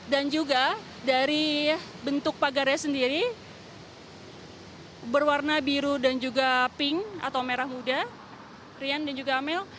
dan juga dari bentuk pagarnya sendiri berwarna biru dan juga pink atau merah muda rian dan juga amel